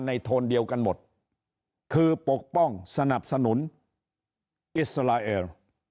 โทนเดียวกันหมดคือปกป้องสนับสนุนอิสราเอล